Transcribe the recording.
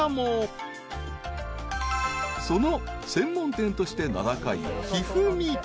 ［その専門店として名高い］